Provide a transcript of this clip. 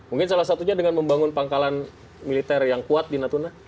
mungkin salah satunya dengan membangun pangkalan militer yang kuat di natuna